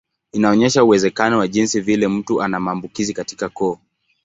Inaonyesha uwezekano wa jinsi vile mtu ana maambukizi katika koo.